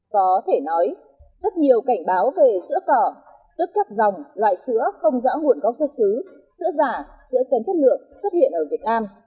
có thể nói rất nhiều cảnh báo về sữa cỏ tức các dòng loại sữa không rõ nguồn gốc xuất xứ sữa sữa giả sữa kém chất lượng xuất hiện ở việt nam